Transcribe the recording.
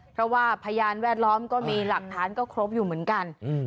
เพราะว่าพยานแวดล้อมก็มีหลักฐานก็ครบอยู่เหมือนกัน